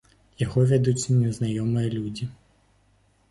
Яго вядуць незнаёмыя людзі.